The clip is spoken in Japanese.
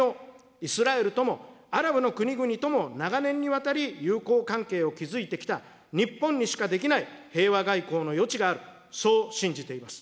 イスラエルともアラブの国々とも長年にわたり友好関係を築いてきた日本にしかできない平和外交の余地がある、そう信じています。